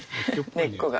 根っこが。